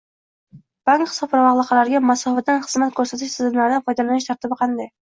Bank hisobvaraqlariga masofadan xizmat ko‘rsatish tizimlaridan foydalanish tartibi qanday?